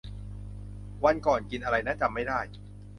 วันก่อนกินอะไรนะ จำไม่ได้